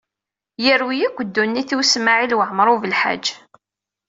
Yerwi-yi akk ddunit-iw Smawil Waɛmaṛ U Belḥaǧ.